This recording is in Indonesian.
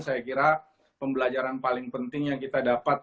saya kira pembelajaran paling penting yang kita dapat